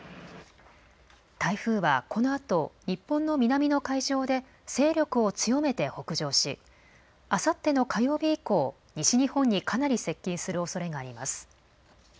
台風はこのあと日本の南の海上で勢力を強めて北上しあさっての火曜日以降、西日本にかなり接近するおそれがあります。